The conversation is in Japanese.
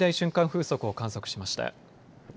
風速を観測しました。